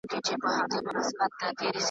د ښکاري د تور په منځ کي ګرځېدلې .